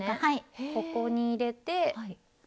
ここに入れて。